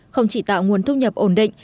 không chỉ tạo nguồn thu nhập ổn định